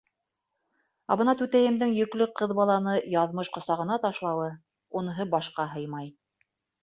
Ә бына түтәйемдең йөклө ҡыҙ баланы яҙмыш ҡосағына ташлауы - уныһы башҡа һыймай.